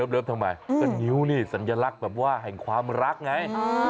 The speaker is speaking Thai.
ทำไมก็นิ้วนี่สัญลักษณ์แบบว่าแห่งความรักไง